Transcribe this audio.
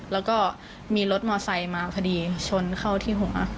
แล้วก็มีรถมอไซค์มาพอดีชนเข้าที่หัว